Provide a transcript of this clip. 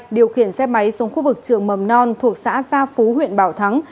điều khiển xe máy xuống khu vực trường mầm non thuộc xã gia phú huyện bảo thắng